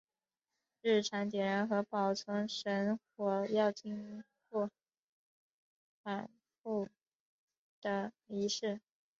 日常点燃和保存神火要经过繁复的仪式。